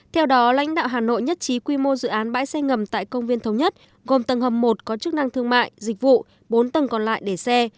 theo đó lãnh đạo hà nội nhất trí quy mô dự án bãi xe ngầm tại công viên thống nhất gồm tầng hầm một có chức năng thương mại dịch vụ bốn tầng còn lại để xe